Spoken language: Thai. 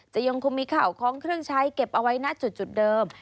ยังคงมีข่าวของเครื่องใช้เก็บเอาไว้ณจุดเดิม